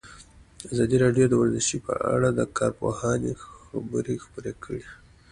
ازادي راډیو د ورزش په اړه د کارپوهانو خبرې خپرې کړي.